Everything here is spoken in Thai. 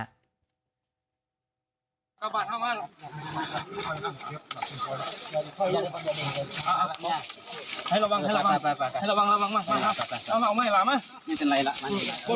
ก็ปาดห้าม่านให้ระวังให้ระวังไปไปไปให้ระวังระวังมามาครับ